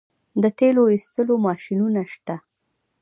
د تیلو ایستلو ماشینونه شته